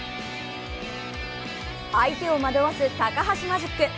相手を惑わす高橋マジック。